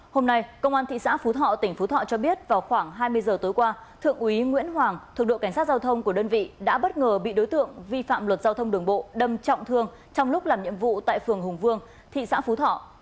hôm nay công an thị xã phú thọ tỉnh phú thọ cho biết vào khoảng hai mươi giờ tối qua thượng úy nguyễn hoàng thuộc đội cảnh sát giao thông của đơn vị đã bất ngờ bị đối tượng vi phạm luật giao thông đường bộ đâm trọng thương trong lúc làm nhiệm vụ tại phường hùng vương thị xã phú thọ